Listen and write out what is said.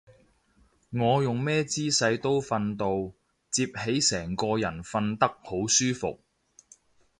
我用咩姿勢都瞓到，摺起成個人瞓得好舒服